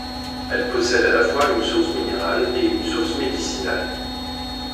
Elle possède à la fois une source minérale et une source médicinale.